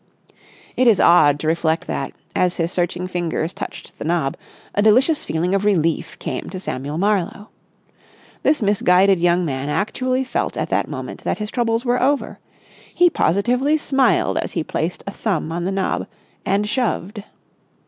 It is odd to reflect that, as his searching fingers touched the knob, a delicious feeling of relief came to Samuel Marlowe. This misguided young man actually felt at that moment that his troubles were over. He positively smiled as he placed a thumb on the knob and shoved.